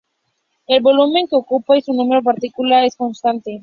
El volumen que ocupa y su número de partículas es constante.